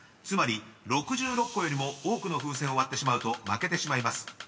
［つまり６６個よりも多くの風船を割ってしまうと負けてしまいます。